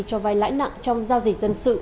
cho vai lãi nặng trong giao dịch dân sự